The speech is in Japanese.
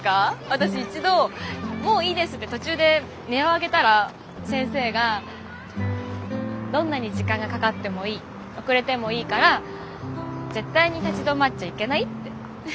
私一度もういいですって途中で音を上げたら先生がどんなに時間がかかってもいい遅れてもいいから絶対に立ち止まっちゃいけないって。